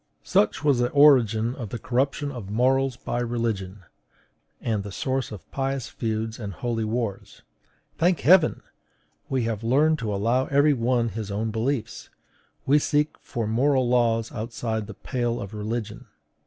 Such was the origin of the corruption of morals by religion, and the source of pious feuds and holy wars. Thank Heaven! we have learned to allow every one his own beliefs; we seek for moral laws outside the pale of religion.